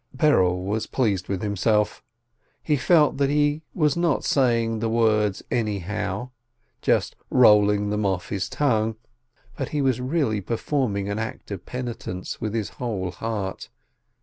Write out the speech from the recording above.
Berel was pleased with himself, he felt that he was not saying the words anyhow, just rolling them off his tongue, but he was really performing an act of penitence with his whole heart.